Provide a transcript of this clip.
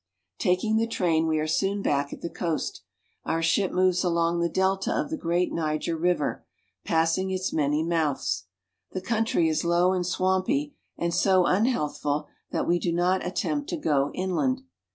Taking the train we are soon back at the coast. Our ship moves along the delta of the great Niger River, pass ing its many mouths. The country is low and swampy, and so unhealthful that we do not attempt to go inland.